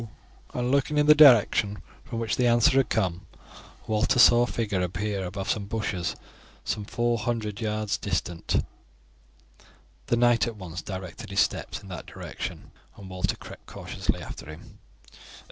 and looking in the direction from which the answer had come, Walter saw a figure appear above some bushes some four hundred yards distant. The knight at once directed his steps in that direction, and Walter crept cautiously after him.